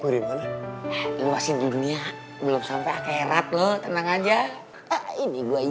di mana domb terb tertentu